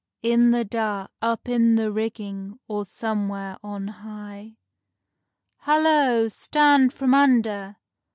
In the dark, up in the rigging, or somewhere on high, "Hallo! Stand from under!"